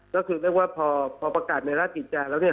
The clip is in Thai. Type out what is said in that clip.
ก็คือเรียกว่าพอประกาศในราชกิจจาแล้วเนี่ย